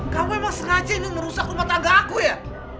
kamu memang sengaja ini merusak rumah tangga aku ya